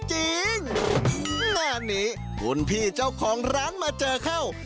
หน้านี้คนพี่เจ้าของร้านมาเจอข้าว